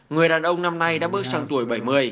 người đàn ông năm nay đã bước sang tuổi bảy mươi